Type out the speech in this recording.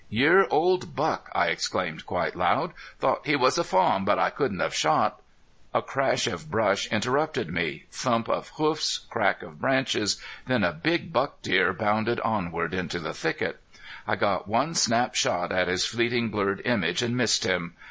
"Year old buck!" I exclaimed, quite loud. "Thought he was a fawn. But I couldn't have shot " A crash of brush interrupted me. Thump of hoofs, crack of branches then a big buck deer bounded onward into the thicket. I got one snap shot at his fleeting blurred image and missed him.